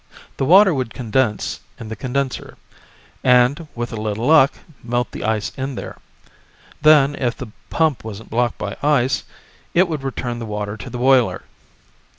The water would condense in the condenser, and with a little luck, melt the ice in there. Then, if the pump wasn't blocked by ice, it would return the water to the boiler.